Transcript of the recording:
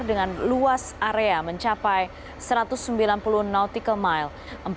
dengan luas area mencapai satu ratus sembilan puluh nautical mile